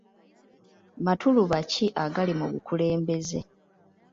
Matuluba ki agali mu bukulembeze?